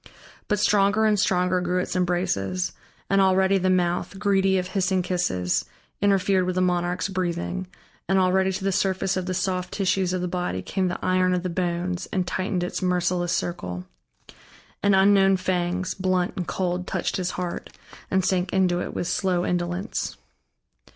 But stronger and stronger grew its embraces, and already the mouth, greedy of hissing kisses, interfered with the monarch's breathing, and already to the surface of the soft tissues of the body came the iron of the bones and tightened its merciless circle, and unknown fangs, blunt and cold, touched his heart and sank into it with slow indolence.